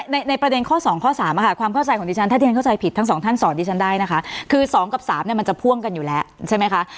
ในในประเด็นข้อ๒ข้อ๓ความเข้าใจของดิฉันถ้าที่ฉันเข้าใจผิดทั้งสองท่านสอนดิฉันได้นะคะคือ๒กับ๓เนี่ยมันจะพ่วงกันอยู่แล้วใช่ไหมคะ